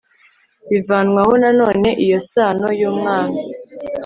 bivanwaho nanone iyo isano y umwana